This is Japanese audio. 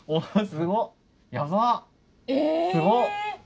すごっ。